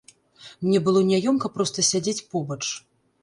Мне было няёмка проста сядзець побач.